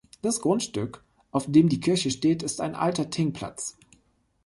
Das Grundstück, auf dem die Kirche steht, ist ein alter Thingplatz.